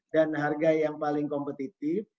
dan harga yang paling kompetitif